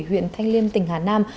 huyện thanh liêm tỉnh hà nam